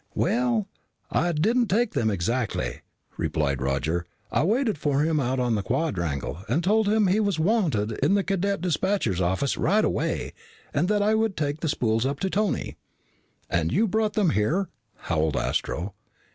"Well, I didn't take them exactly," replied Roger. "I waited for him out on the quadrangle and I told him he was wanted in the cadet dispatcher's office right away and that I would take the spools on up to Tony." "And you brought them here!" howled Astro.